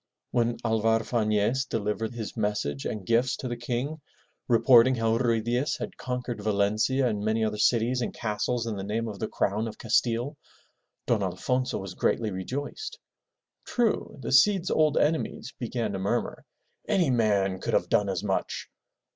When Alvar Fanez delivered his message and gifts to the King reporting how Ruy Diaz had conquered Valencia and many other cities and castles in the name of the crown of Castile, Don Alfonso was greatly rejoiced. True, the Cid's old enemies began to murmur, *'Any man could have done as much!''